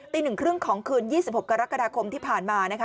ตีหนึ่งครึ่งของคืน๒๖กรกฎาคมที่ผ่านมานะคะ